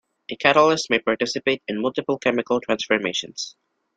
A catalyst may participate in multiple chemical transformations.